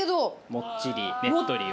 もっちりねっとりを。